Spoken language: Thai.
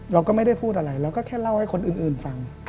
เราก็ไม่ได้พูดอะไรเราก็แค่เล่าให้คนอื่นฟัง